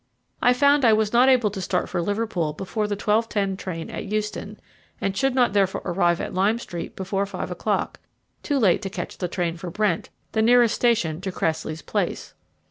I found I was not able to start for Liverpool before the 12.10 train at Euston, and should not therefore arrive at Lime Street before five o'clock too late to catch the train for Brent, the nearest station to Cressley's place.